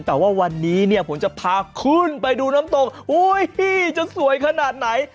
แต่ว่าวันนี้เนี่ยผมจะพาขึ้นไปดูน้ำตกจะสวยขนาดไหน